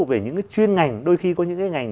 về những cái chuyên ngành đôi khi có những cái ngành